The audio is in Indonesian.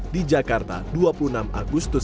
di jakarta dua puluh enam agustus dua ribu dua puluh